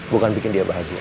bukan bikin dia bahagia